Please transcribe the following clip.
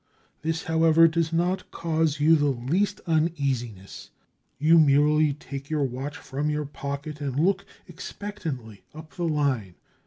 This however, does not cause you the least uneasiness. You merely take your watch from your pocket and look expectantly up the line.